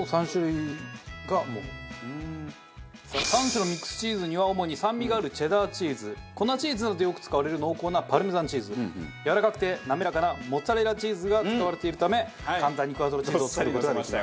３種のミックスチーズには主に酸味があるチェダーチーズ粉チーズなどでよく使われる濃厚なパルメザンチーズやわらかくて滑らかなモッツァレラチーズが使われているため簡単にクアトロチーズを作る事ができます。